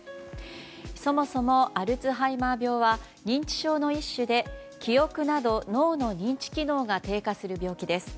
そもそも、アルツハイマー病は認知症の一種で記憶など、脳の認知機能が低下する病気です。